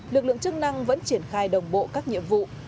lực lượng chức năng vẫn triển khai đồng bộ các nhiệm vụ